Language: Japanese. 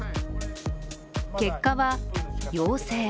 結果は、陽性。